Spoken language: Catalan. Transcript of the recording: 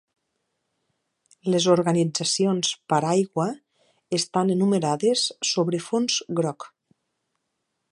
Les organitzacions paraigua estan enumerades sobre fons groc.